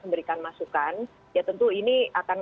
memberikan masukan ya tentu ini akan